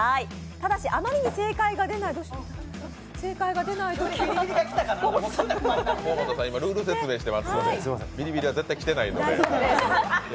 ただし、あまりに正解が出ないときは河本さん今ルール説明していますので、ビリビリは絶対に流れないので。